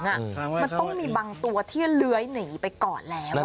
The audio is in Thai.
มันต้องมีบางตัวที่เลื้อยหนีไปก่อนแล้ว